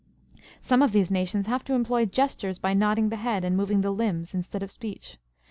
Some of these nations have to employ gestures by nodding the head and moving the limbs, instead of speech.